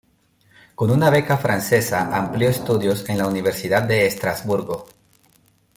Con una beca francesa amplió estudios en la Universidad de Estrasburgo.